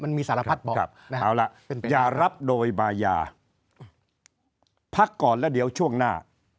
สารพัดบอกเอาล่ะอย่ารับโดยบายาพักก่อนแล้วเดี๋ยวช่วงหน้า